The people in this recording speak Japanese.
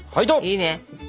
いいね。